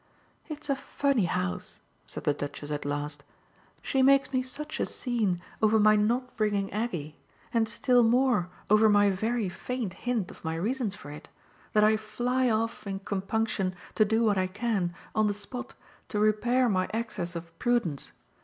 "It's a funny house," said the Duchess at last. "She makes me such a scene over my not bringing Aggie, and still more over my very faint hint of my reasons for it, that I fly off, in compunction, to do what I can, on the spot, to repair my excess of prudence.